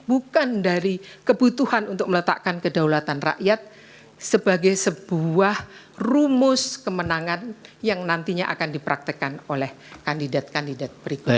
bukan dari kebutuhan untuk meletakkan kedaulatan rakyat sebagai sebuah rumus kemenangan yang nantinya akan dipraktekkan oleh kandidat kandidat berikutnya